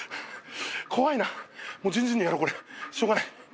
怖いなもう順々にやろうこれしょうがない。